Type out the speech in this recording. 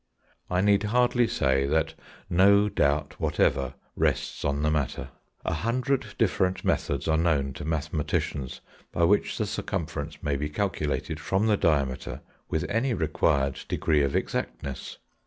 I need hardly say that no doubt whatever rests on the matter. A hundred different methods are known to mathematicians by which the circumference may be calculated from the diameter with any required degree of exactness.